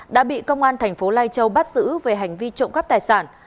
đã bị công an thành phố lai châu bắt giữ về hành vi trộm cắp tài sản